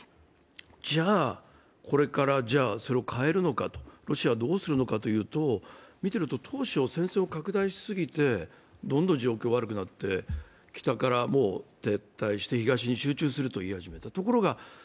じゃあ、これからそれを変えるのかロシアはどうするのかというと、見ていると当初、戦線を拡大しすぎてどんどん状況は悪くなって、北からはもう撤退して東に集中するということになった。